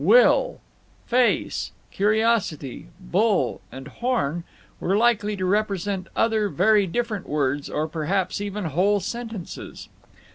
"Will," "face," "curiosity," "bull" and "horn" were likely to represent other very different words, or perhaps even whole sentences.